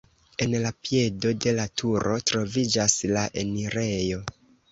En la piedo de la turo troviĝas la enirejo.